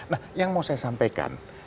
nah yang mau saya sampaikan